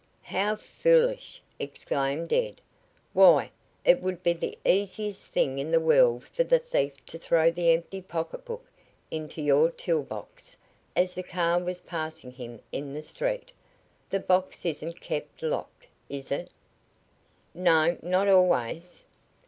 "How foolish!" exclaimed Ed. "Why, it would be the easiest thing in the world for the thief to throw the empty pocketbook into your tool box as the car was passing him in the street. The box isn't kept locked, is it?" "No; not always."